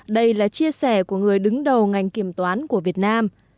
đây là chia sẻ của người đứng đầu ngành kiểm toán của việt nam